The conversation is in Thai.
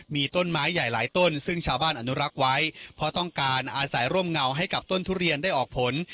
มีต้นไม้ใหญ่หลายต้นซึ่งชาวบ้านอนุรักษ์ไว้เพราะต้องการอาศัยร่มเงาให้กับต้นทุเรียนได้ออกผล